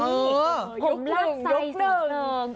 เออยุคหนึ่งยุคหนึ่ง